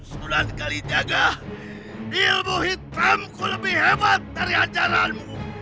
sudah dikali jaga ilmu hitamku lebih hebat dari ajaranmu